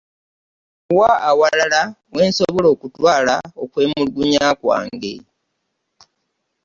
Wa awalala wensobola okutwaala okwemulugynya kwange?